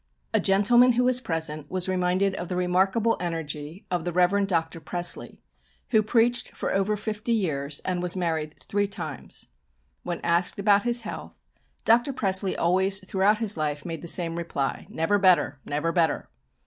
A gentleman who was present was reminded of the remarkable energy of the Rev. Dr. Pressly, who preached for over fifty years, and was married three times. When asked about his health, Dr. Pressly always throughout his life made the same reply, "Never better; never better."